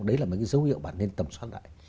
đấy là mấy cái dấu hiệu bạn nên tầm soát lại